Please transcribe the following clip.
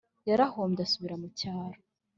Yarahombye asubira mucyaro